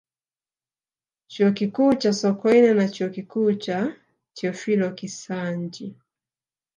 Chuo Kikuu cha Sokoine na Chuo Kikuu cha Teofilo Kisanji